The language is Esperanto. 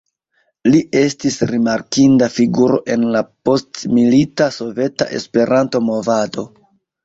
Li estis rimarkinda figuro en la postmilita soveta Esperanto-movado.